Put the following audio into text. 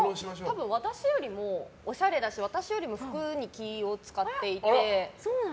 多分私よりもおしゃれだし私よりも服に気を使っていて。